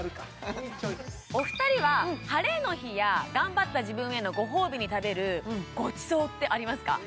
お二人はハレの日や頑張った自分へのご褒美に食べるごちそうってありますか？